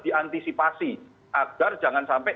diantisipasi agar jangan sampai